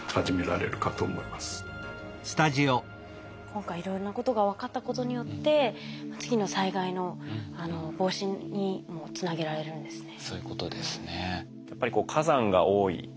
今回いろんなことが分かったことによって次の災害の防止にもつなげられるんですね。